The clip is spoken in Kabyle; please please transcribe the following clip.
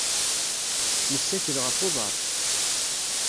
Nessakel ɣef uḍar.